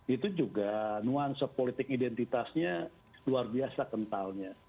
itu juga nuansa politik identitasnya luar biasa kentalnya